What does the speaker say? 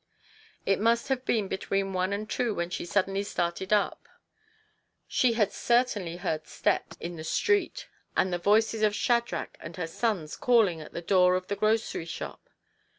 It must have been between one and two when she suddenly started up. She had certainly heard steps in the 144 TO PLEASE HIS WIFE. street, and the voices of Shadrach and her sons calling at the door of the grocery shop.